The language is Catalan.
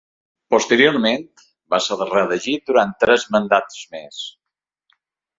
Posteriorment va ser reelegit durant tres mandats més.